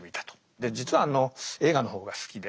で実はあの映画の方が好きで。